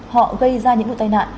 họ gây ra những nụ tai nạn